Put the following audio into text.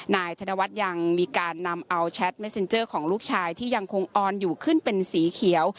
นายธนวัฒน์ยังมีการนำเอาแชทเมสเซ็นเจอร์ของลูกชายที่ยังคงออนอยู่ขึ้นเป็นสีเขียว